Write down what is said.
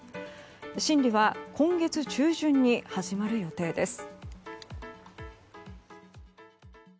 審理は今月中旬に始まる予定です。